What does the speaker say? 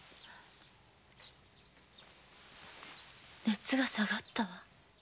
熱が下がったわ。